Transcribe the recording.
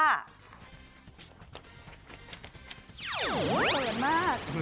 เกินมาก